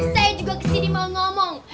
saya juga kesini mau ngomong